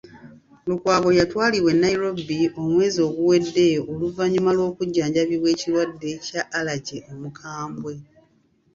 Lukwago yatwalibwa e Nairobi omwezi oguwedde oluvannyuma lw'okujjanjabibwa ekirwadde kya Alaje omukambwe.